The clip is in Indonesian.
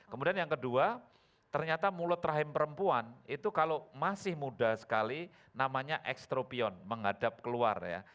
kemudian yang kedua ternyata mulut rahim perempuan itu kalau masih muda sekali namanya ekstropion menghadap keluar ya